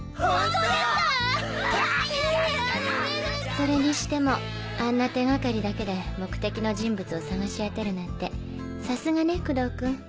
それにしてもあんな手掛かりだけで目的の人物を捜し当てるなんてさすがね工藤君。